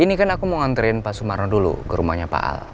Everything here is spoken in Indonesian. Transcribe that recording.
ini kan aku mau ngantriin pak sumarno dulu ke rumahnya pak al